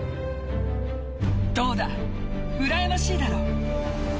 どうだ、うらやましいだろう。